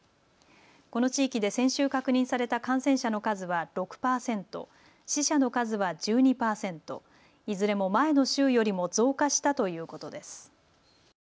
この地域で先週確認された感染者の数は６％、死者の数は１２％、いずれも前の週よりも増加したということです。